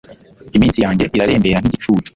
iminsi yanjye irarembera nk'igicucu